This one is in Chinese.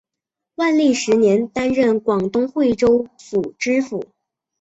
万历十年担任广东惠州府知府。